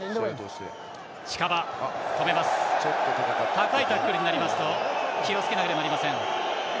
高いタックルになりますと気をつけなければなりません。